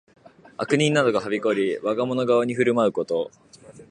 悪人などがはびこり、我がもの顔に振る舞うこと。